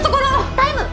タイム！